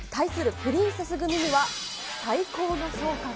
プリンセス組には、最高の評価が。